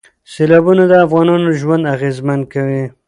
سیلابونه د افغانانو ژوند اغېزمن کوي.